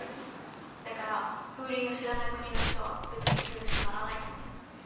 だから風鈴を知らない国の人は別に涼しくならないんだって。